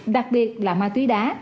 đặc biệt là ma túy đá